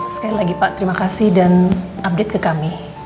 sekali lagi pak terima kasih dan update ke kami